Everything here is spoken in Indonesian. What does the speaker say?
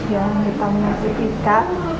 yang ditangani kita